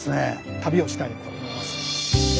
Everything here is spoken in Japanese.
旅をしたいと思います。